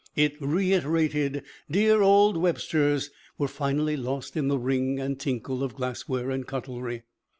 Its reiterated "dear old Websters" were finally lost in the ring and tinkle of glassware and cutlery.